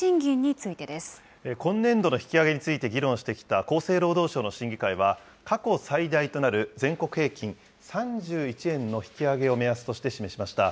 今年度の引き上げについて議論してきた厚生労働省の審議会は、過去最大となる全国平均３１円の引き上げを目安として示しました。